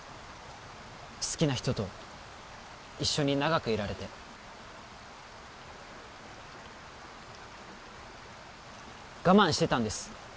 好きな人と一緒に長くいられて我慢してたんです